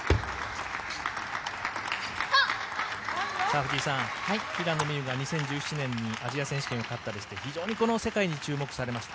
藤井さん、平野美宇は２０１７年にアジア選手権を勝って世界に注目されました。